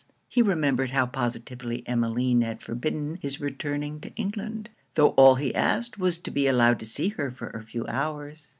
He remembered how positively Emmeline had forbidden his returning to England, tho' all he asked was to be allowed to see her for a few hours.